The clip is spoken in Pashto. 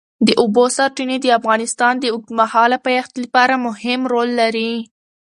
د اوبو سرچینې د افغانستان د اوږدمهاله پایښت لپاره مهم رول لري.